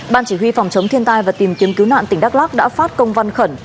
ban chỉ huy phòng chống thiên tai và tìm kiếm cứu nạn tỉnh đắk lắc đã phát công văn khẩn